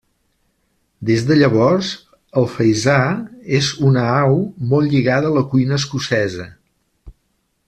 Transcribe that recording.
Des de llavors, el faisà és una au molt lligada a la cuina escocesa.